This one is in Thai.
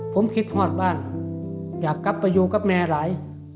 ผมคิดฮอดบ้านอยากกลับไปอยู่กับแม่หลาย